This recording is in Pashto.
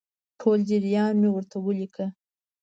ټول جریان مې ورته ولیکه.